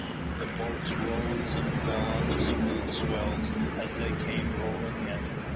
The boats rose and fell on the smooth swells as they came rolling in.